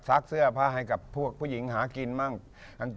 เสื้อผ้าให้กับพวกผู้หญิงหากินบ้าง